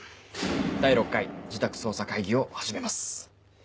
第６回自宅捜査会議を始めます。